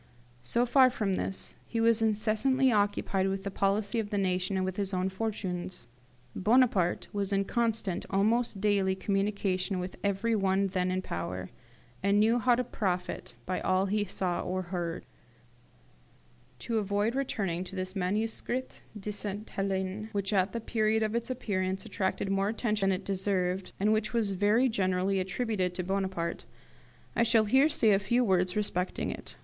So far from this, he was incessantly occupied with the policy of the nation, and with his own fortunes. Bonaparte was in constant, almost daily, communication with every one then in power, and knew how to profit by all he saw or heard. To avoid returning to this 'Manuscrit de Sainte Helene', which at the period of its appearance attracted more attention than it deserved, and which was very generally attributed to Bonaparte, I shall here say a few words respecting it.